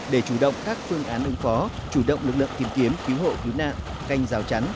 để chủ động các phương án ứng phó chủ động lực lượng tìm kiếm cứu hộ cứu nạn canh rào chắn